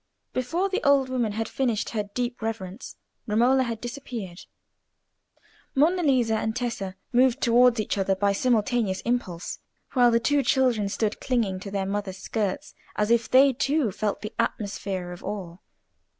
Before the old woman had finished her deep reverence, Romola had disappeared. Monna Lisa and Tessa moved towards each other by simultaneous impulses, while the two children stood clinging to their mother's skirts as if they, too, felt the atmosphere of awe.